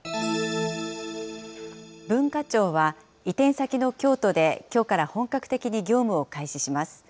文化庁は、移転先の京都できょうから本格的に業務を開始します。